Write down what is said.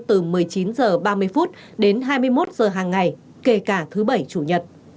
từ một mươi chín h ba mươi đến hai mươi một h hàng ngày kể cả thứ bảy chủ nhật